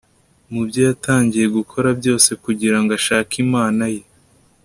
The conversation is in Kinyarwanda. mu byo yatangiye gukora byose kugira ngo ashake imana ye